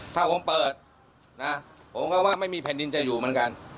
ถ้าผมเปิดนะผมก็ว่าไม่มีแผ่นดินจะอยู่เหมือนกัน